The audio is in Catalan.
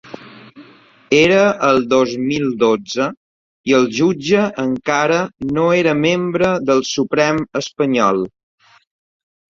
Era el dos mil dotze i el jutge encara no era membre del Suprem espanyol.